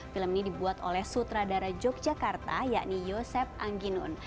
film ini dibuat oleh sutradara yogyakarta yakni yosep angginun